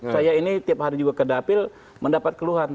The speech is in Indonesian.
saya ini tiap hari juga ke dapil mendapat keluhan